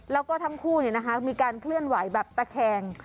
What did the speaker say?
แล้วก็ทั้งคู่มีการเคลื่อนไหวแบบตะแคง